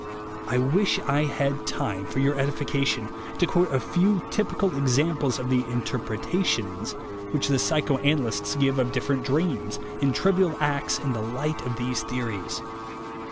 I wish I had time, for your, edification, to quote a few typical examples of the "interpretations" which the psychoanalysts give of different dreams and trivial acts in the light of these theories.